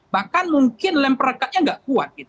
bahkan mungkin lemperekatnya tidak kuat